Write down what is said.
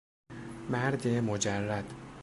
مرد مجرد